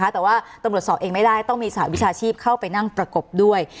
แต่ว่าตำรวจสอบเองไม่ได้ต้องมีสหวิชาชีพเข้าไปนั่งประกบด้วย